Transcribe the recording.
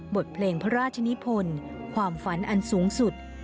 บทเพลงพระราชนิพลความฝันอันสูงสุด